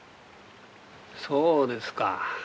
「そうですか」。